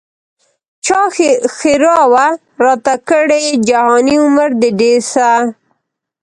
چا ښرا وه راته کړې جهاني عمر دي ډېر سه